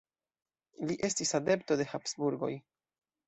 Li estis adepto de Habsburgoj.